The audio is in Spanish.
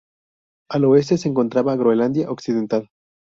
Al oeste se encontraba Groenlandia Occidental.